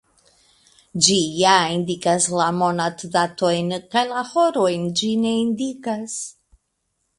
Ĝi ja indikas la monatdatojn, kaj la horojn ĝi ne indikas.